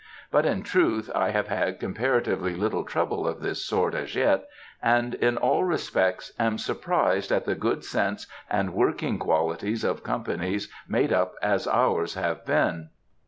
But, in truth, I have had comparatively little trouble of this sort as yet, and in all respects am surprised at the good sense and working qualities of companies made up as ours have been.